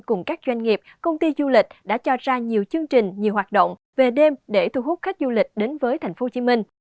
cùng các doanh nghiệp công ty du lịch đã cho ra nhiều chương trình nhiều hoạt động về đêm để thu hút khách du lịch đến với thành phố hồ chí minh